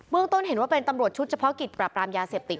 ต้นเห็นว่าเป็นตำรวจชุดเฉพาะกิจปราบรามยาเสพติด